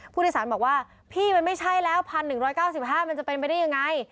ผู้โดยสารบอกว่าพี่มันไม่ใช่แล้ว๑๑๙๕มันจะเป็นไปได้ยังไง